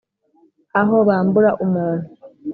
Aho bambura umuntu